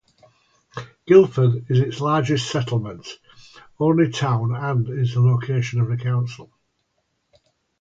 Guildford is its largest settlement, only town and is the location of the council.